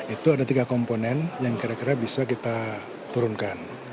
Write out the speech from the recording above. itu ada tiga komponen yang kira kira bisa kita turunkan